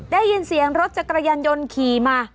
ได้ยินเสียงรถจักรยานยนต์ขี่มา